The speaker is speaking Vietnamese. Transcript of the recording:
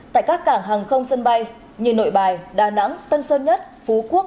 tại các cảng hàng không sân bay như nội bài đà nẵng tân sơn nhất phú quốc